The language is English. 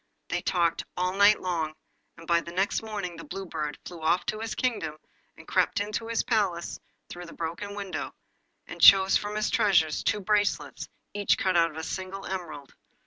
They talked all night long, and the next morning the Blue Bird flew off to his kingdom, and crept into his palace through the broken window, and chose from his treasures two bracelets, each cut out of a single emerald.